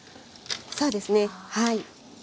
そうですねはい。